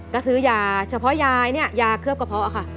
ก็ซื้อยาเฉพาะยายเนี่ยยาเคลือบกระเพาะค่ะ